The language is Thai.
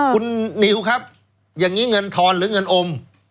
คุณนิวครับอย่างนี้เงินทอนหรือเงินอม